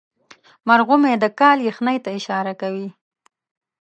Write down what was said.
مرغومی د کال یخنۍ ته اشاره کوي.